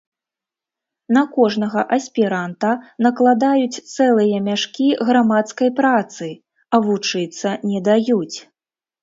На кожнага аспіранта накладаюць цэлыя мяшкі грамадскай працы, а вучыцца не даюць.